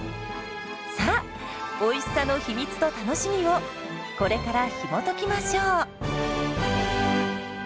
さあおいしさの秘密と楽しみをこれからひもときましょう！